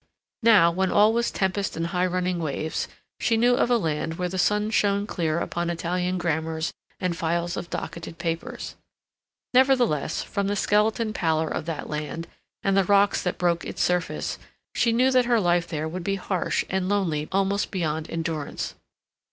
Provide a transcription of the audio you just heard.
Now, when all was tempest and high running waves, she knew of a land where the sun shone clear upon Italian grammars and files of docketed papers. Nevertheless, from the skeleton pallor of that land and the rocks that broke its surface, she knew that her life there would be harsh and lonely almost beyond endurance.